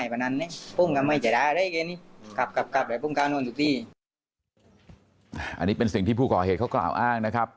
อันนี้เป็นสิ่งที่ผู้ก่อเหตุเขากล่าวอ้างนะครับ